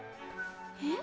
えっ？